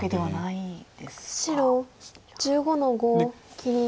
白１５の五切り。